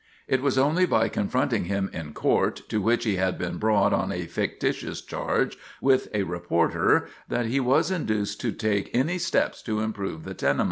It was only by confronting him in court, to which he had been brought on a fictitious charge, with a reporter, that he was induced to take any steps to improve the tenement.